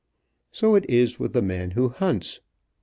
So it is with the man who hunts.